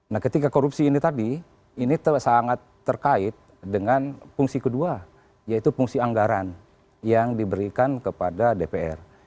nah ketika korupsi ini tadi ini sangat terkait dengan fungsi kedua yaitu fungsi anggaran yang diberikan kepada dpr